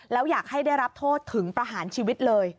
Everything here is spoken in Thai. แล้วอยากให้ได้รับโทษถึงประหารชีวิตเลย